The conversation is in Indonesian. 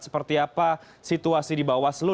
seperti apa situasi di bawaslu